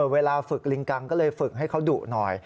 เวลาฝึกลิงกังก็เลยฝึกให้เขาดุหน่อย